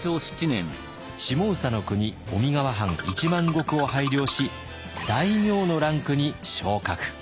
下総国小見川藩１万石を拝領し大名のランクに昇格。